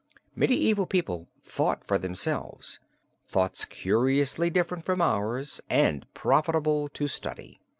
Medieval people thought for themselves, thoughts curiously different from ours and profitable to study."